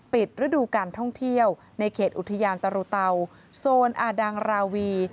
ปิดฤดูการท่องเที่ยวในเขตอุทยานตรุเตาโซนอาดังราวี